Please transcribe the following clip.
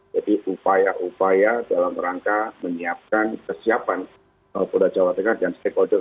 jadi upaya upaya dalam rangka menyiapkan kesiapan polda jawa tengah dan stakeholder